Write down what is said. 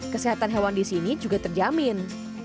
kesehatan hewan di sini juga terjamin